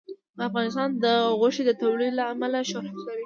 افغانستان د غوښې د تولید له امله شهرت لري.